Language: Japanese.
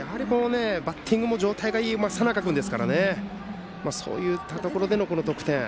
バッティングも状態もいい佐仲君ですからそういったところでの得点。